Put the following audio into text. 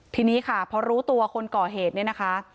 ทีนี้ค่ะพอรู้ตัวคนก่อเหตุเนี่ยนะคะ